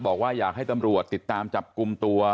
บอกว่าอยากให้ตำรวจติดตามจับกลุ่มตัว